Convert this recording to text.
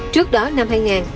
trước đó năm hai nghìn